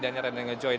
daniar dan ngejoy